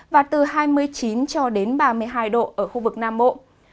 và từ hai mươi chín cho đến ba mươi hai độ ở khu vực nam bộ